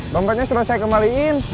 dampaknya sudah saya kembaliin